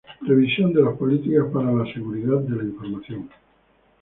Revisión de las políticas para la seguridad de la información.